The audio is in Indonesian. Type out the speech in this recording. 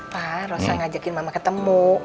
pak rosa ngajakin mama ketemu